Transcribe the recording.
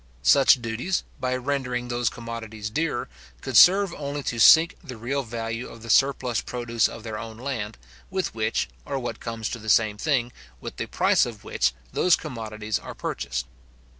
Such duties, by rendering those commodities dearer, could serve only to sink the real value of the surplus produce of their own land, with which, or, what comes to the same thing, with the price of which those commodities are purchased.